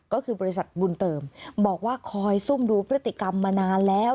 ก็คือบริษัทบุญเติมบอกว่าคอยซุ่มดูพฤติกรรมมานานแล้ว